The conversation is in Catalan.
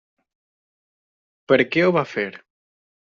Per què ho va fer?